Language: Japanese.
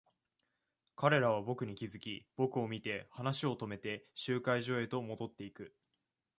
彼らは僕に気づき、僕を見て話を止めて、集会所へと戻っていく。